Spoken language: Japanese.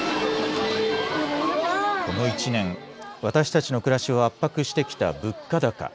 この１年、私たちの暮らしを圧迫してきた物価高。